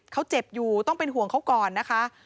เขาเจ็บอยู่ต้องเป็นห่วงเขาก่อนนะคะ